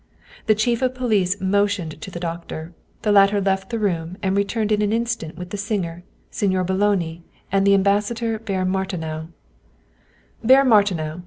The chief of police motioned to the doctor. The latter left the room and returned in an instant with the singer, Signer Boloni, and the Ambassador Baron Martinow. " Baron Martinow !